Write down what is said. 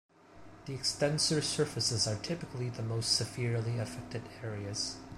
The extensor surfaces are typically the most severely affected areas.